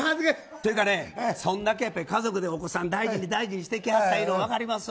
というか、そんだけ家族でお子さん大事にしてきはったの分かりますわ。